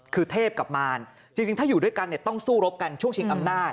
คือเทพกับมารจริงถ้าอยู่ด้วยกันเนี่ยต้องสู้รบกันช่วงชิงอำนาจ